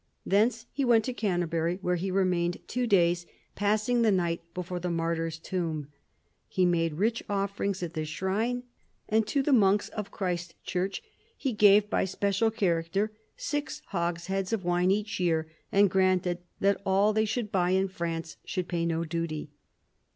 Thence he went to Canterbury, where he remained two days, passing the night before the martyr's tomb. He made rich offerings at the shrine, and to the monks of Christ Church he gave, by special charter, six hogsheads of wine each year, and granted that all they should buy in France should pay no duty.